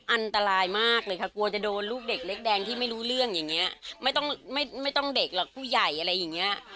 อันตรายมากเลยค่ะกลัวจะโดนลูกเด็กเล็กแดงที่ไม่รู้เรื่องอย่างนี้ไม่ต้องไม่ต้องเด็กหรอกผู้ใหญ่อะไรอย่างเงี้ย